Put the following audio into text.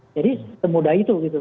jadi semudah itu gitu